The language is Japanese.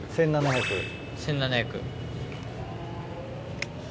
１７００。